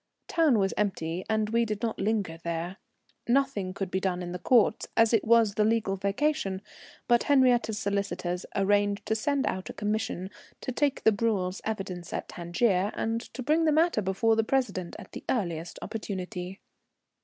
Town was empty, and we did not linger there. Nothing could be done in the Courts, as it was the legal vacation, but Henriette's solicitors arranged to send out a commission to take the Bruels' evidence at Tangier, and to bring the matter before The President at the earliest opportunity.